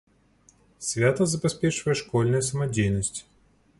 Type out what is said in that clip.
Свята забяспечвае школьная самадзейнасць.